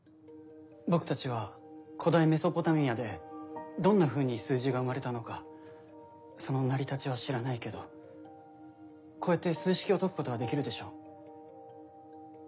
僕たちは古代メソポタミアでどんなふうに数字が生まれたのかその成り立ちは知らないけどこうやって数式を解くことはできるでしょ？